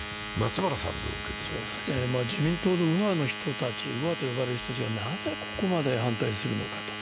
自民党の右派と呼ばれる人たちがなぜここまで反対するのか。